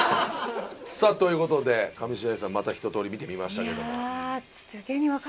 さあということで上白石さんまた一とおり見てみましたけども。